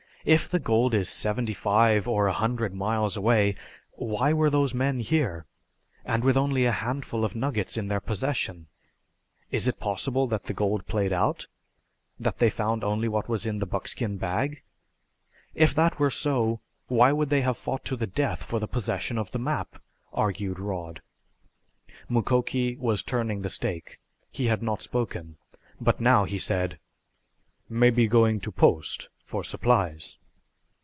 "If the gold is seventy five or a hundred miles away, why were those men here, and with only a handful of nuggets in their possession? Is it possible that the gold played out that they found only what was in the buckskin bag?" "If that were so, why should they have fought to the death for the possession of the map?" argued Rod. Mukoki was turning the steak. He had not spoken, but now he said: "Mebby going to Post for supplies."